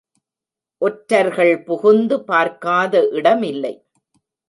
ஒற்றர்கள் புகுந்து பார்க்காத இடமில்லை.